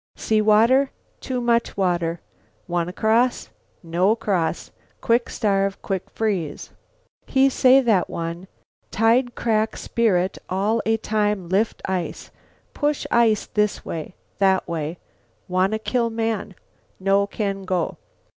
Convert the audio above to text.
See water. Too much water. Wanna cross. No cross. Quick starve. Quick freeze.' "'He say, that one, 'Tide crack spirit all a time lift ice, push ice this way, that way. Wanna kill man. No can go.'